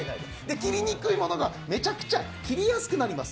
切りにくいものがめちゃくちゃ切りやすくなります。